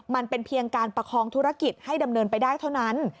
มันเป็นเพียงการประคองธุรกิจให้ดำเนินไปได้เท่านั้น